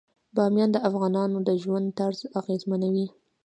بامیان د افغانانو د ژوند طرز اغېزمنوي.